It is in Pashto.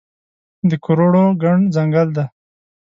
د کروړو ګڼ ځنګل دی